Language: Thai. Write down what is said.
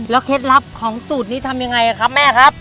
เคล็ดลับของสูตรนี้ทำยังไงครับแม่ครับ